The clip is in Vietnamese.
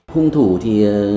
khung thủ thì